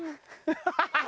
ハハハ！